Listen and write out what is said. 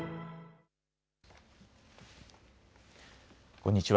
こんにちは。